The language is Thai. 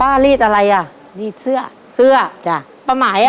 ครอบครัวของแม่ปุ้ยจังหวัดสะแก้วนะครับ